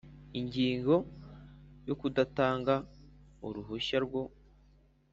Ingingo ya kudatanga uruhushya rwo